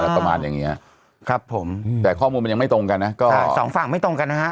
ประมาณอย่างเงี้ยครับผมอืมแต่ข้อมูลมันยังไม่ตรงกันนะก็ใช่สองฝั่งไม่ตรงกันนะฮะ